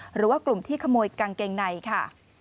หรือว่ากลุ่มที่ขโมยกางเกงในค่ะ